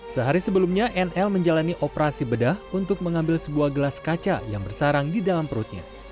sehari sebelumnya nl menjalani operasi bedah untuk mengambil sebuah gelas kaca yang bersarang di dalam perutnya